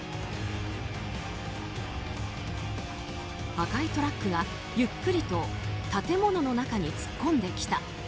赤いトラックがゆっくりと建物の中に突っ込んできた。